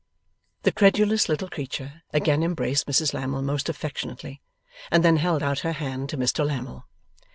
The credulous little creature again embraced Mrs Lammle most affectionately, and then held out her hand to Mr Lammle.